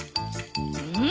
うん？